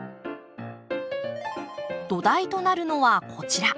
土台となるのはこちら。